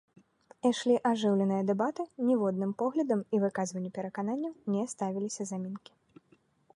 Ішлі ажыўленыя дэбаты, ніводным поглядам і выказванню перакананняў не ставіліся замінкі.